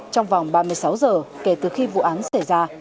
trong vòng ba mươi sáu giờ kể từ khi vụ án xảy ra